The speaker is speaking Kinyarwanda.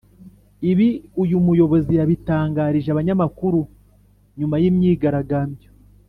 ibi uyu muyobozi yabitangarije abanyamakuru nyuma y’imyigaragambyo